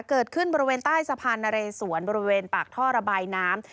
เกิดขึ้นบริเวณใต้สะพานนะเรสวนบริเวณปากท่อระบายน้ำ